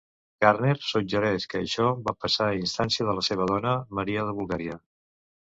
Gardner suggereix que això va passar a instància de la seva dona, Maria de Bulgària.